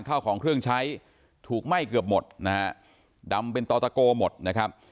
ข้าวของเครื่องใช้ถูกไหม้เกือบหมดนะฮะดำเป็นต่อตะโกหมดนะครับ